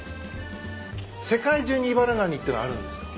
世界中にイバラガニってのはあるんですか？